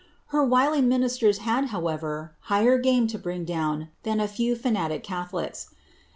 Her wily ministers had, however, higher game to bring down than a few fimatic catholics.